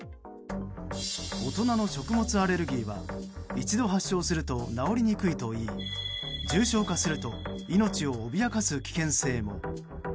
大人の食物アレルギーは一度発症すると治りにくいといい重症化すると命を脅かす危険性も。